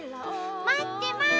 待ってます！